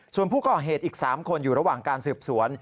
ส่วนผู้ก่อเหตุอีก๓คนอยู่ระหว่างการสืบสวน